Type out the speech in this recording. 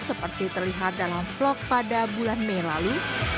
seperti terlihat dalam vlog pada bulan mei lalu